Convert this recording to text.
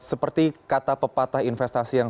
seperti kata pepatah investasi yang